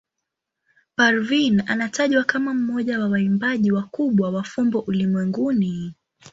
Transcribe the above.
Parveen anatajwa kama mmoja wa waimbaji wakubwa wa fumbo ulimwenguni.